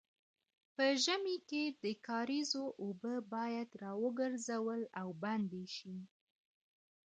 په ژمي کې د کاریزو اوبه باید راوګرځول او بندې شي.